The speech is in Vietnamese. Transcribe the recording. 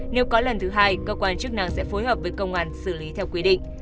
nếu có lần thứ hai cơ quan chức năng sẽ phối hợp với công an xử lý theo quy định